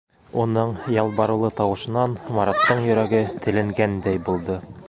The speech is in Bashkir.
Уның ялбарыулы тауышынан Мараттың йөрәге теленгәндәй булды.